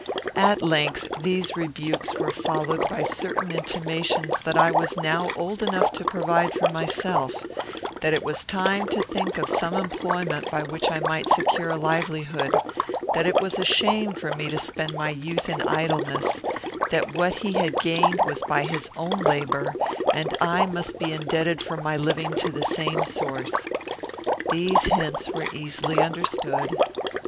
At length these rebukes were followed by certain intimations that I was now old enough to provide for myself; that it was time to think of some employment by which I might secure a livelihood; that it was a shame for me to spend my youth in idleness; that what he had gained was by his own labour; and I must be indebted for my living to the same source. These hints were easily understood.